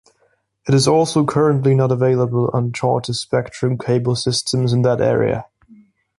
It is also currently not available on Charter Spectrum cable systems in that area.